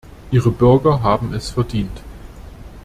Ihre Bürger haben es verdient.